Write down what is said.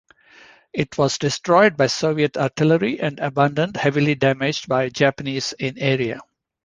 It was destroyed by Soviet artillery and abandoned heavily damaged by Japanese in area.